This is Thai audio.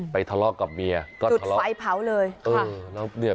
ไปทะเลาะกับเมียจุดไฟเผาเลย